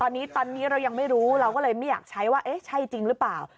ตอนนี้ตอนนี้เรายังไม่รู้เราก็เลยไม่อยากใช้ว่าเอ๊ะใช่จริงหรือเปล่า